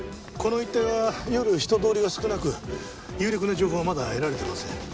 この一帯は夜人通りが少なく有力な情報はまだ得られてません。